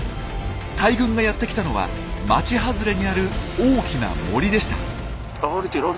大群がやってきたのは町外れにある大きな森でした。